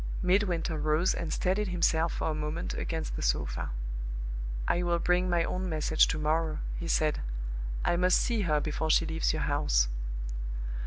Midwinter rose and steadied himself for a moment against the sofa. "I will bring my own message to morrow," he said. "I must see her before she leaves your house."